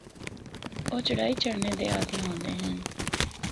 او چڑھائی چڑھنا دے عادی ہوندے ہن۔